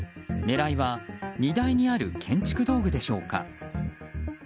狙いは荷台にある建築道具でしょうか。